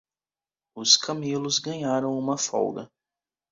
Os camelos ganharam uma folga.